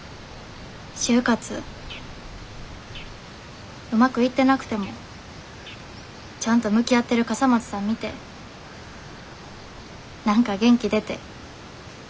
就活うまくいってなくてもちゃんと向き合ってる笠松さん見て何か元気出て。